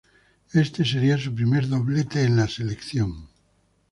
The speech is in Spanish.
Éste sería su primer doblete en la selección.